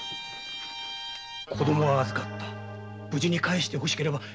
「子供は預かった無事に返して欲しければ」